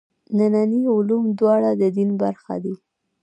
ننني علوم چې دواړه د دین برخه دي.